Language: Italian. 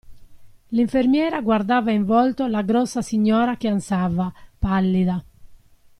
L'infermiera guardava in volto la grossa signora che ansava, pallida.